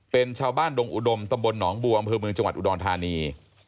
เป็นชาวบ้านดงอุดมตำบลหนองบวงบริเวณจังหวัดอุดรธานี